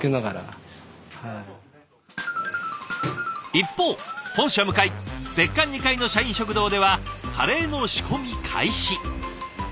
一方本社向かい別館２階の社員食堂ではカレーの仕込み開始。